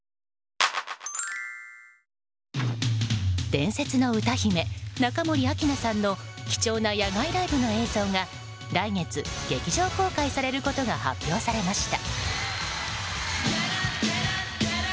伝説の歌姫・中森明菜さんの貴重な野外ライブの映像が来月、劇場公開されることが発表されました。